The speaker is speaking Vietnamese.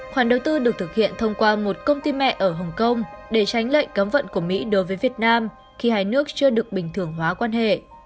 khoản đầu tư được thực hiện thông qua một công ty mẹ ở hồng kông để tránh lệnh cấm vận của mỹ đối với việt nam khi hai nước chưa được bình thường hóa quan hệ